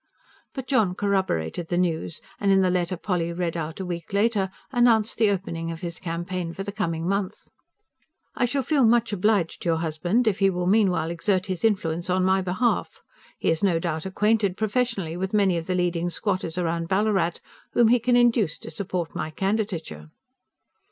But John corroborated the news; and, in the letter Polly read out a week later, announced the opening of his campaign for the coming month. I SHALL FEEL MUCH OBLIGED TO YOUR HUSBAND IF HE WILL MEANWHILE EXERT HIS INFLUENCE ON MY BEHALF. HE IS NO DOUBT ACQUAINTED PROFESSIONALLY WITH MANY OF THE LEADING SQUATTERS ROUND BALLARAT, WHOM HE CAN INDUCE TO SUPPORT MY CANDIDATURE.